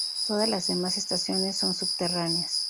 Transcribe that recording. Todas las demás estaciones son subterráneas.